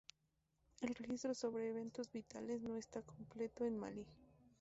El registro sobre eventos vitales no está completo en Malí.